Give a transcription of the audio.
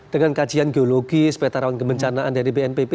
dengan kajian geologi sebetar rawan kebencanaan dari bnpp